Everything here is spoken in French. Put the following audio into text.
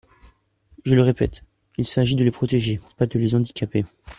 Je le répète : il s’agit de les protéger, pas de les handicaper.